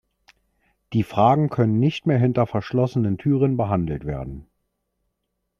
Die Fragen können nicht mehr hinter verschlossenen Türen behandelt werden.